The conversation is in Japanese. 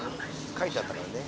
書いてあったからね。